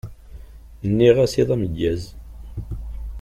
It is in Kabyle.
Nniɣ-as iḍ ameggaz.